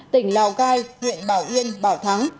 tỉnh lào cai huyện bảo yên bảo thắng